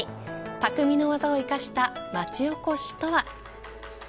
匠の技を生かした町おこしとは。